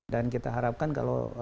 dan kita harapkan kalau